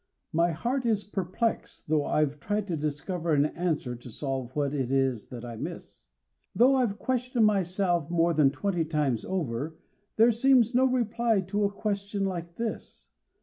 My heart is perplexed, though I've tried to discover An answer to solve what it is that I miss, Though I've questioned myself more that twenty times over, There seems no reply to a question like this.